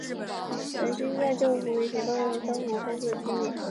本鱼栖息在舄湖与外礁斜坡的珊瑚丰富的区域。